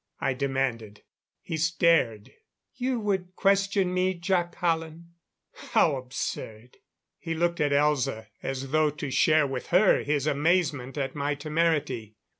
I demanded. He stared. "You would question me, Jac Hallen? How absurd!" He looked at Elza, as though to share with her his amazement at my temerity.